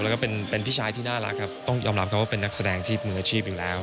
แล้วก็เป็นพี่ชายที่น่ารักครับต้องยอมรับครับว่าเป็นนักแสดงที่มืออาชีพอยู่แล้ว